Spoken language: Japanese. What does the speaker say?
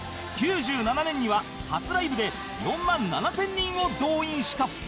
９７年には初ライブで４万７０００人を動員した